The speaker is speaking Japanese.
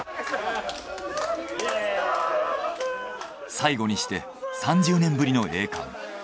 最後にして３０年ぶりの栄冠。